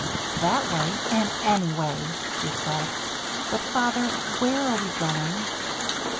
"That way and any way," she said. "But, Father. Where are we going?"